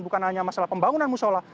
bukan hanya masalah pembangunan musola